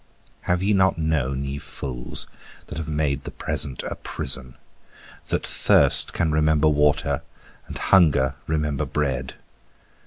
Have ye not known, ye fools, that have made the present a prison, That thirst can remember water and hunger remember bread?